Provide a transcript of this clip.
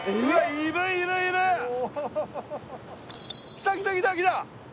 来た来た来た来た！